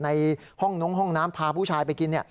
ในห้องนงห้องน้ำพาผู้ชายไปกิน